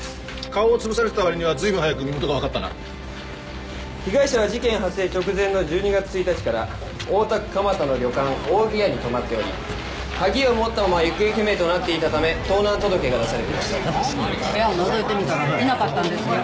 顔を潰されてた割にはずいぶん早く身元が分かったな被害者は事件発生直前の１２月１日から大田区蒲田の旅館「扇屋」に泊まっており鍵を持ったまま行方不明となっていたため盗難届が出されていました部屋をのぞいてみたらいなかったんですよ